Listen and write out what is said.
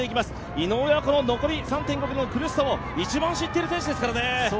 井上は残り３．５ｋｍの苦しさを一番知っている選手ですからね。